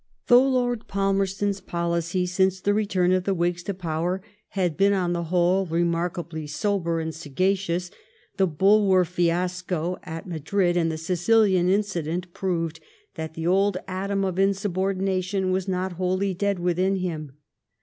Though Lord Palmerston's policy since the return of the Whigs to power had been on the whole remarkably sober and sagacious, the Bulwer fia%co at Madrid and the Sicilian incident proved that the old Adam of in* subordination was not wholly dead within him.